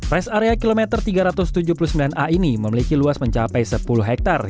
res area kilometer tiga ratus tujuh puluh sembilan a ini memiliki luas mencapai sepuluh hektare